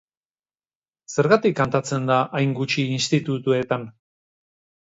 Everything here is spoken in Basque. Zergatik kantatzen da hain gutxi institutuetan?